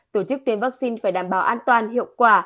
tổ chức tiêm vaccine phải đảm bảo an toàn hiệu quả